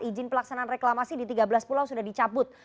izin pelaksanaan reklamasi di tiga belas pulau sudah dicabut